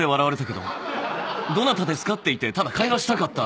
どなたですか？って言ってただ会話したかった。